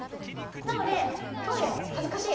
なのでトイレ恥ずかしい。